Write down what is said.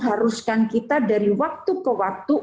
haruskan kita dari waktu ke waktu